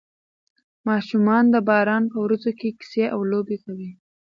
ماشومان د باران په ورځو کې کیسې او لوبې کوي.